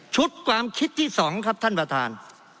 ๒ชุดความคิดที่สองครับท่านประธาน